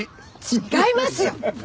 違いますよ！